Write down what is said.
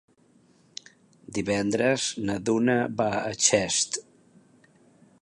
Divendres na Duna va a Xest.